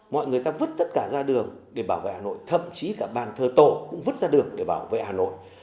mọi người ta vứt tất cả ra đường để bảo vệ hà nội thậm chí cả bàn thờ tổ cũng vứt ra đường để bảo vệ hà nội